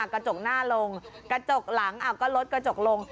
กระจกหน้าลงกระจกหลังก็ลดกระจกลง